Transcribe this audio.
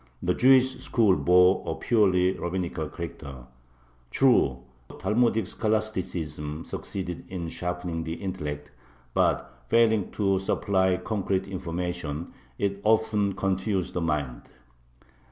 The Jewish school bore a purely rabbinical character. True, Talmudic scholasticism succeeded in sharpening the intellect, but, failing to supply concrete information, it often confused the mind.